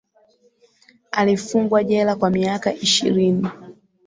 Alifungwa jela kwa miaka ishirini.